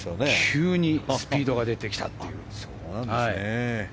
急にスピードが出てきたっていう。